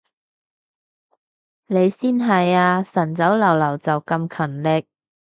你先係啊，晨早流流就咁勤力